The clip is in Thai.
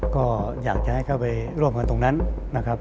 ก็อยากจะให้เข้าไปร่วมกันตรงนั้นนะครับ